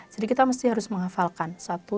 jadi kita harus menghafalkan satu dua tiga